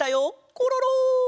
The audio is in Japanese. コロロ！